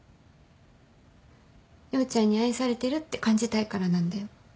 陽ちゃんに愛されてるって感じたいからなんだよ。